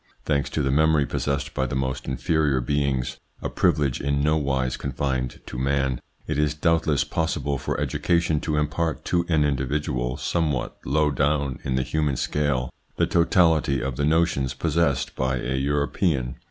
Thanks to the memory possessed by the most inferior beings a privilege in nowise confined to man it is doubt less possible for education to impart to an individual somewhat low down in the human scale the totality of the notions possessed by a European.